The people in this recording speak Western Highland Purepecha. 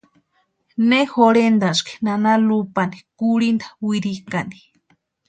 Ne jorhentaski nana Lupani kurhinta wirikani.